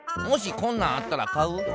もしこんなんあったら買う？